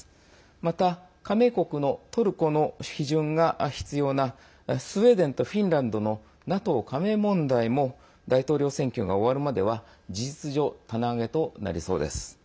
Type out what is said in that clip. また、加盟国のトルコの批准が必要なスウェーデンとフィンランドのＮＡＴＯ加盟問題も大統領選挙が終わるまでは事実上、棚上げとなりそうです。